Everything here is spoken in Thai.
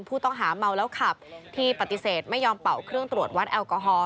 ผู้ต้องหาเมาแล้วขับที่ปฏิเสธไม่ยอมเป่าเครื่องตรวจวัดแอลกอฮอล